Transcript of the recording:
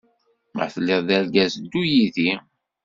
Ma teliḍ d-argaz ddu yidi.